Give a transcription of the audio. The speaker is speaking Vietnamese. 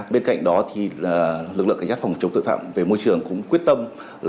bên cạnh đó thì lực lượng cảnh sát phòng chống tội phạm về môi trường cũng quyết tâm